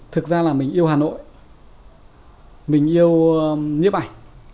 thực ra là mình yêu hà nội mình yêu nhếp ảnh